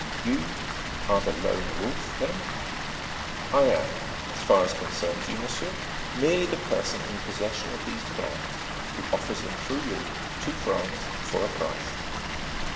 "You are the Lone Wolf then?" "I am, as far as concerns you, monsieur, merely the person in possession of these plans, who offers them through you, to France, for a price."